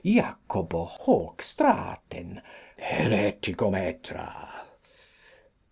Jacobo Hocstraten hereticometra.